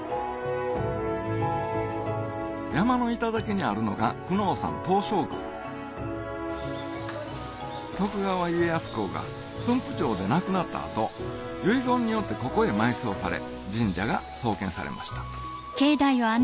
山の頂にあるのが徳川家康公が駿府城で亡くなった後遺言によってここへ埋葬され神社が創建されました